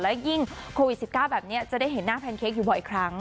และยิ่งโควิด๑๙แบบนี้จะได้เห็นหน้าแพนเค้กอยู่บ่อยครั้ง